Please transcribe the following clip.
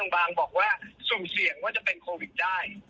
บางบอกว่าสุ่มเสี่ยงว่าจะเป็นโควิดได้